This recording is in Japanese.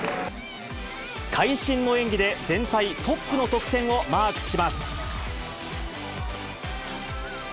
会心の演技で、全体トップの得点をマークします。